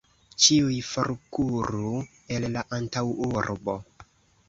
Ĉiuj forkuru el la antaŭurbo!